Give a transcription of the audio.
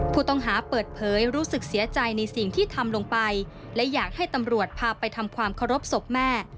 ผู้ต้องหาเปิดเผยรู้สึกเสียใจในสิ่งที่ทำลงไปและอยากให้ตำรวจพาไปทำความเคารพศพแม่